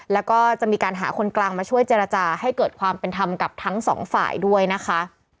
แล้วก็จะมีการหาคนกลางมาช่วยเจรจาให้เกิดความเป็นธรรมกับทั้งสองฝ่ายด้วยนะคะ